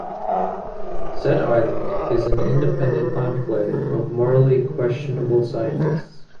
Said island is an independent enclave of morally questionable scientists.